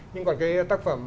nhưng còn cái tác phẩm